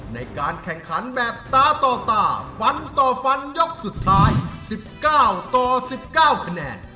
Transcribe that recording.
ในการแข่งขันแบบตาต่อตาฟันต่อฟันยกสุดท้าย๑๙ต่อ๑๙คะแนน